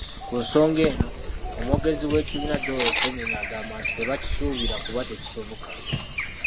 Ku nsonga eno, omwogezi w'ekibiina Joel Ssennyonyi, agamba nti tebakisuubira kuba tekisoboka.